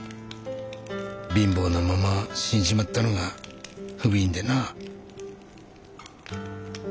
貧乏なまま死んじまったのが不憫でな。